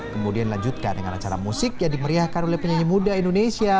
kemudian dilanjutkan dengan acara musik yang dimeriahkan oleh penyanyi muda indonesia